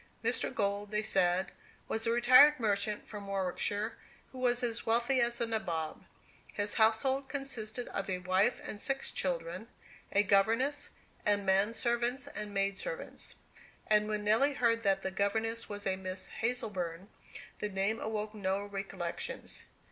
Mr. Gold, they said, was a retired merchant from Warwickshire, who was as wealthy as a nabob. His household consisted of a wife and six children, a governess, and menservants and maidservants. And when Nelly heard that the governess was a Miss Hazleburn, the name awoke no recollections.